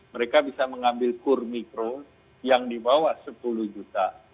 mereka bisa mengambil kur mikro yang dibawah sepuluh juta